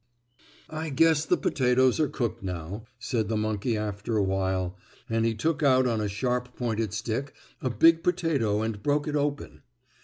"I guess the potatoes are cooked now," said the monkey after a while, and he took out on a sharp pointed stick a big potato and broke it open.